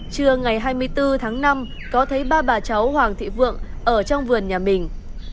trưa ngày hai mươi bốn tháng năm có thấy ba bà cháu hoàng thị vượng ở trong vườn nhà mình